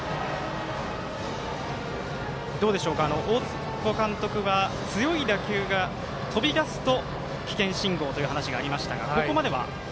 大坪監督は強い打球が飛びだすと危険信号という話がありましたが、ここまでは？